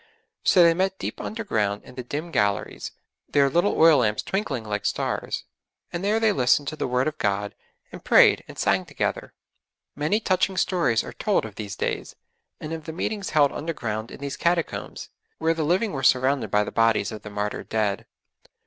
So they met deep underground in the dim galleries, their little oil lamps twinkling like stars, and there they listened to the Word of God, and prayed and sang together. Many touching stories are told of these days; and of the meetings held underground in these Catacombs, where the living were surrounded by the bodies of the martyred dead.